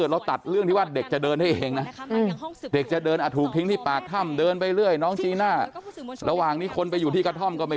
แล้วนายเอาเด็กไปที่กระท่อมนะ